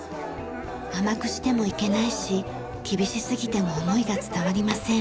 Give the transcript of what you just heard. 甘くしてもいけないし厳しすぎても思いが伝わりません。